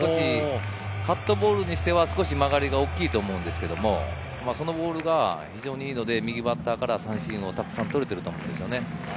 カットボールにしては曲がりが大きいと思うんですけど、そのボールが非常にいいので右バッターから三振をたくさん取れてると思います。